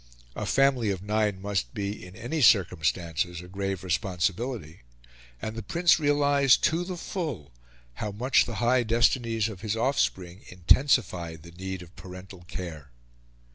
A family of nine must be, in any circumstances, a grave responsibility; and the Prince realised to the full how much the high destinies of his offspring intensified the need of parental care.